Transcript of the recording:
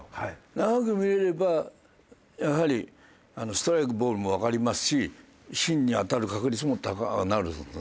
長く見られればやはりストライクボールもわかりますし芯に当たる確率も高くなるんですよね。